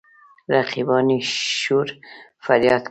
رقیبان يې شور فرياد کا.